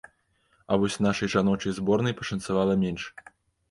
А вось нашай жаночай зборнай пашанцавала менш.